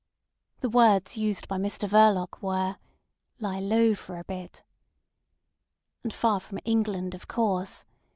The words used by Mr Verloc were: "Lie low for a bit." And far from England, of course.